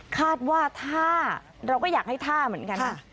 คาดว่าถ้าเราก็อยากให้ท่าเหมือนกันนะ